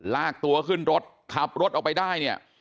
ลากตัวขึ้นรถขับรถออกไปได้เนี่ย